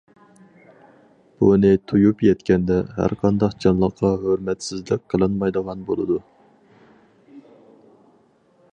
بۇنى تۇيۇپ يەتكەندە، ھەرقانداق جانلىققا ھۆرمەتسىزلىك قىلىنمايدىغان بولىدۇ.